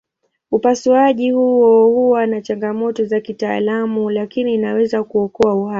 Upasuaji huo huwa na changamoto za kitaalamu lakini inaweza kuokoa uhai.